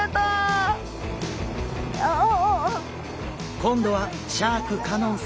今度はシャーク香音さんにも！